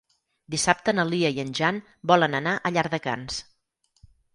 Dissabte na Lia i en Jan volen anar a Llardecans.